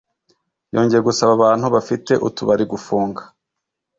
Yongeye gusaba abantu bafite utubari gufunga